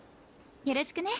よろしくね